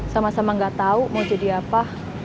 sama sama gak tau mau jadi apa